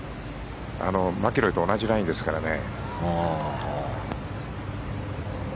マキロイと同じラインですからね。